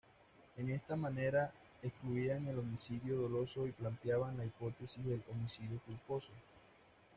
En esta manera excluían el homicidio doloso y planteaban la hipótesis del homicidio culposo.